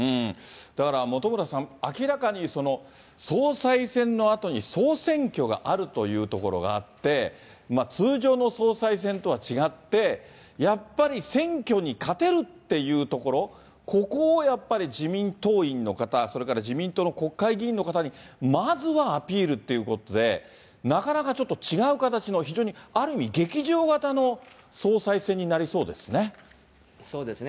だから、本村さん、明らかに総裁選のあとに、総選挙があるというところがあって、通常の総裁選とは違って、やっぱり選挙に勝てるっていうところ、ここをやっぱり自民党員の方、それから自民党の国会議員の方に、まずはアピールということで、なかなかちょっと違う形の、非常にある意味、劇場型の総裁選になりそうですね。